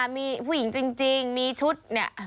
มีผู้หญิงจริงมีชุดเนี่ย